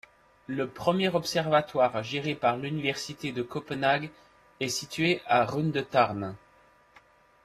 Le premier observatoire géré par l'université de Copenhague est situé à Rundetårn.